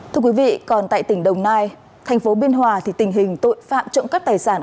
thưa quý vị còn tại tỉnh đồng nai thành phố biên hòa thì tình hình tội phạm trộm cắp tài sản